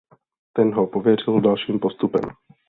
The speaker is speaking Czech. Ten ho pověřil dalším postupem.